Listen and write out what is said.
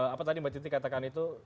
apa tadi mbak titi katakan itu